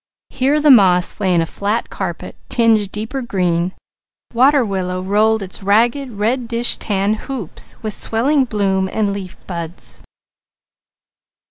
Here the moss lay in a flat carpet, tinted deeper green. Water willow rolled its ragged reddish tan hoops, with swelling bloom and leaf buds.